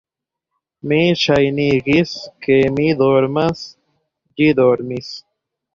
Mi ŝajnigis, ke mi dormas; ĝi dormis.